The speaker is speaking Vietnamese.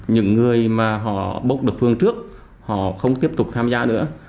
những người mà họ bốc được phương trước họ không tiếp tục tham gia nữa